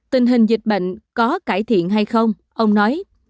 tình hình dịch bệnh có cải thiện hay không ông nói